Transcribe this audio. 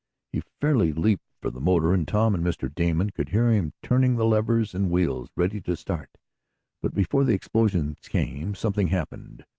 He fairly leaped for the motor, and Tom and Mr. Damon could hear him turning the levers and wheels, ready to start. But before the explosions came something happened.